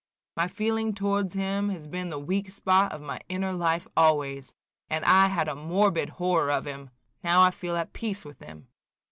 My feeling towards him has been the weak spot of my inner life always, and I had a morbid horror of him. Now I feel at peace with him.